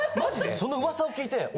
その噂を聞いて俺。